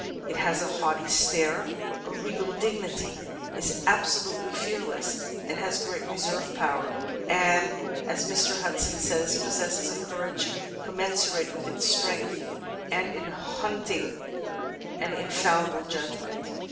It has a haughty stare, a regal dignity, is absolutely fear less, has great reserve power, and, as Mr. Hudson says, possesses a courage commensurate with its strength, and in hunting an in fallible judgment.